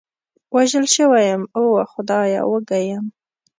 وژل شوی یم، اوه خدایه، وږی یم.